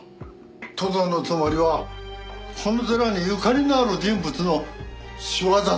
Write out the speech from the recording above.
とどのつまりはこの寺にゆかりのある人物の仕業って事かい？